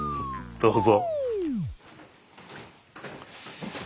どうぞ。